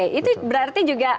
itu berarti juga